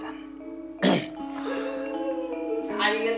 tak tersalah bang hasan